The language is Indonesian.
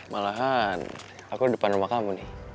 malahan aku depan rumah kamu nih